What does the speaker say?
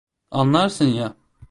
Anlarsın ya.